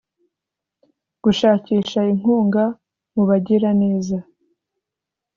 gushakisha inkunga mu bagiraneza